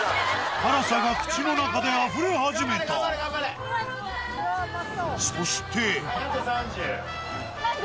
辛さが口の中であふれ始めたそしてあと３０。